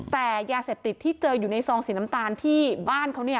แต่ยาเสพติดที่เจออยู่ในซองสีน้ำตาลที่บ้านเขา